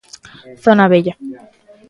Zona Vella.